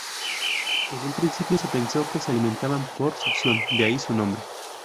En un principio se pensó que se alimentaban por succión, de ahí su nombre.